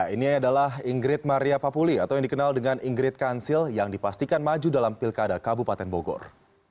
ini adalah ingrid maria papuli atau yang dikenal dengan ingrid kansil yang dipastikan maju dalam pilkada kabupaten bogor